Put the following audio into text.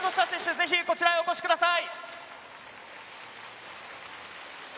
ぜひこちらへお越しください。